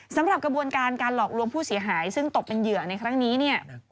สำหรับกระบวนการการหลอกลวงผู้เสียหายซึ่งตกเป็นเหยื่อในครั้งนี้เนี่ย